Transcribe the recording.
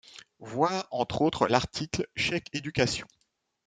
Voir entre autres l'article chèque éducation.